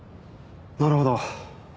なるほど。